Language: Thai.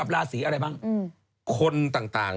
ฟันทง